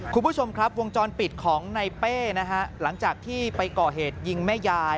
คุณผู้ชมครับวงจรปิดของในเป้นะฮะหลังจากที่ไปก่อเหตุยิงแม่ยาย